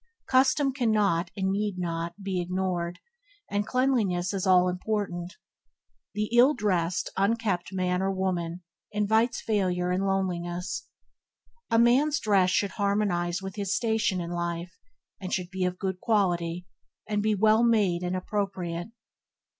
Custom cannot, and need not, be ignored; and cleanliness is all important. The ill dressed, unkempt man or woman invites failure and loneliness. A man's dress should harmonize with his station in life, and it should be of good quality, and be well made and appropriate.